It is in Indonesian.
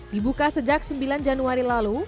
dibuka sejak sembilan januari lalu